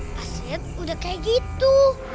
pasti udah kayak gitu